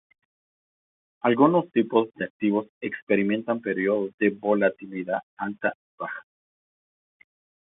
Algunos tipos de activos experimentan periodos de volatilidad alta y baja.